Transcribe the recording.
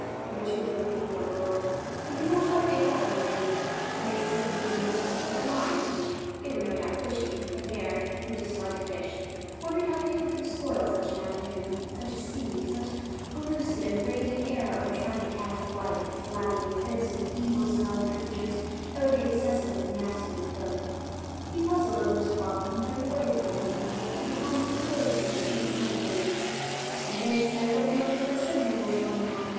There were two or three people aboard, he could not quite make out how many, and they seemed to be doing something with a line; they were no doubt fishing, and Merritt (who disliked fish) wondered how people could spoil such an afternoon, such a sea, such pellucid and radiant air by trying to catch white, flabby, offensive, evil smelling creatures that would be excessively nasty when cooked. He puzzled over this problem and turned away from it to the contemplation of the crimson headlands. And then he says that he noticed that signaling was going on.